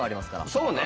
そうね。